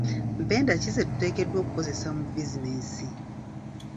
Mpenda ki ze tuteekeddwa okukozesa mu bizinensi?